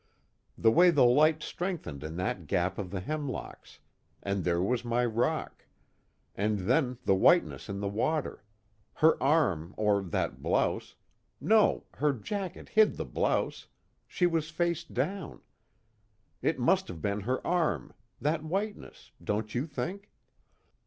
The way the light strengthened in that gap of the hemlocks, and there was my rock, and then the whiteness in the water. Her arm, or that blouse no, her jacket hid the blouse, she was face down. It must have been her arm, that whiteness, don't you think?"